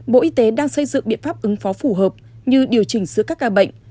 bộ y tế đang xây dựng biện pháp ứng phó phù hợp như điều chỉnh sửa các ca bệnh